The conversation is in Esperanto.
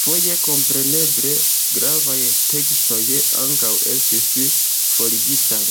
Foje, kompreneble, gravaj tekstoj ankaŭ estis forigitaj.